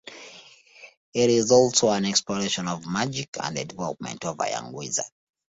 It is also an exploration of magic and the development of a young wizard.